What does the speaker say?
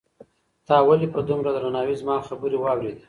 تا ولې په دومره درناوي زما خبرې واورېدې؟